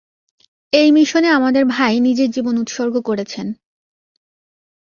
এই মিশনে, আমাদের ভাই নিজের জীবন উৎসর্গ করেছেন।